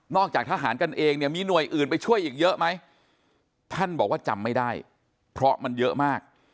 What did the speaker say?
จากทหารกันเองเนี่ยมีหน่วยอื่นไปช่วยอีกเยอะไหมท่านบอกว่าจำไม่ได้เพราะมันเยอะมาก